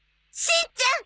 しんちゃーん！